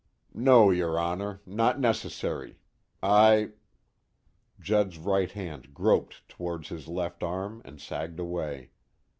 "No, your Honor, not necessary. I " Judd's right hand groped toward his left arm and sagged away.